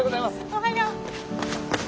おはよう。